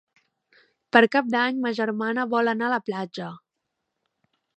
Per Cap d'Any ma germana vol anar a la platja.